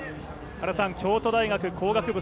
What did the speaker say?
京都大学工学部